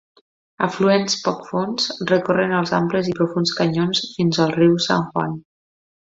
Afluents poc fons recorren els amples i profunds canyons fins al riu San Juan.